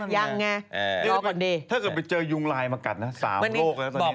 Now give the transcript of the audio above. ยังไงเดี๋ยวก่อนดีเธอเกิดไปเจอยุงไลมากัดนะสามโรคแล้ว